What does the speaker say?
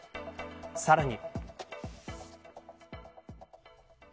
さらに。